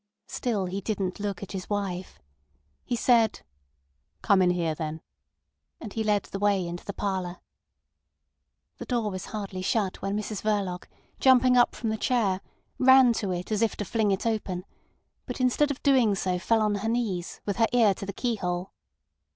Still he didn't look at his wife. He said: "Come in here, then." And he led the way into the parlour. The door was hardly shut when Mrs Verloc, jumping up from the chair, ran to it as if to fling it open, but instead of doing so fell on her knees, with her ear to the keyhole.